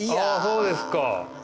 そうですか。